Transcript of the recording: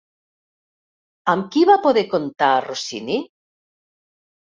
Amb qui va poder comptar Rossini?